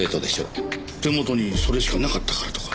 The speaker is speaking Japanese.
手元にそれしかなかったからとか。